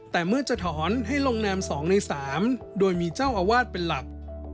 แต่เมื่อจะถอนให้ลงแนม๒ใน๓โดยมีเจ้าอาวาสเป็นหลัก